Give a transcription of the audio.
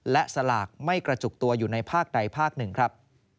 และสลากไม่กระจุกตัวอยู่ในภาคใดภาคหนึ่งครับ